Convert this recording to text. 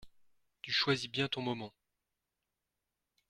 Tu choisis bien ton moment !